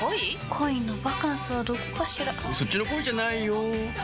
恋のバカンスはどこかしらそっちの恋じゃないよ